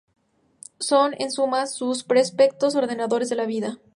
Son, en suma, los preceptos ordenadores de la vida.